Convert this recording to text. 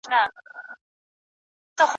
آسمانه اوس خو اهریمن د قهر